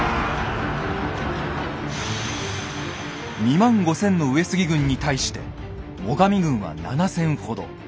２万５千の上杉軍に対して最上軍は７千ほど。